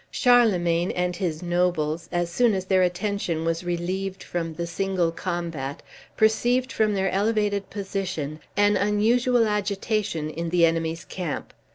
Charlemagne and his nobles, as soon as their attention was relieved from the single combat, perceived from their elevated position an unusual agitation in the enemy's camp.